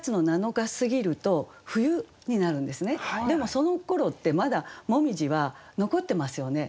でもそのころってまだ紅葉は残ってますよね。